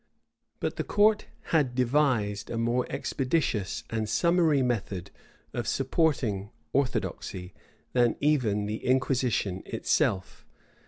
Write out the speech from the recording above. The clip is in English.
But the court had devised a more expeditious and summary method of supporting orthodoxy than even the inquisition itself.